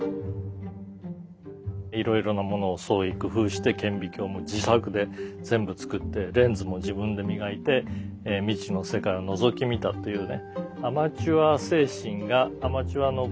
いろいろなものを創意工夫して顕微鏡も自作で全部作ってレンズも自分で磨いて未知の世界をのぞき見たというね